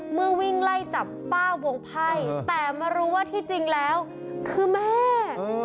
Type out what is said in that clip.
วิ่งไล่จับป้าวงไพ่แต่มารู้ว่าที่จริงแล้วคือแม่